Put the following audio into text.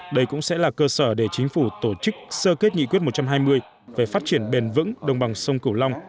đây cũng sẽ là cơ sở để chính phủ tổ chức sơ kết nghị quyết một trăm hai mươi về phát triển bền vững đồng bằng sông cửu long